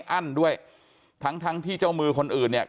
ความปลอดภัยของนายอภิรักษ์และครอบครัวด้วยซ้ำ